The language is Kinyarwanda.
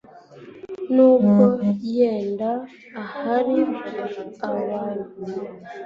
nubwo yenda ahari abantu